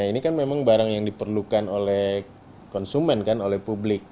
ini kan memang barang yang diperlukan oleh konsumen kan oleh publik